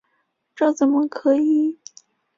这怎么可以！